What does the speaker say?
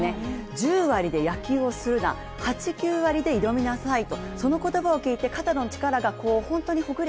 １０割で野球をするな、８９割で挑みなさいと。